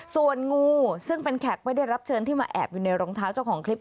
ส่วนงูซึ่งเป็นแขกไม่ได้รับเชิญที่มาแอบอยู่ในรองเท้าเจ้าของคลิป